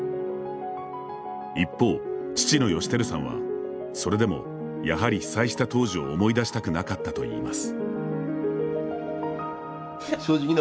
一方、父の美輝さんは、それでもやはり被災した当時を思い出したくなかったといいます。